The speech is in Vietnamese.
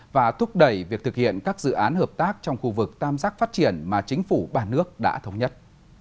và thúc đẩy việc thực hiện các dự án hợp tác trong khu vực tam giác phát triển mà chính phủ ba nước đã thống nhất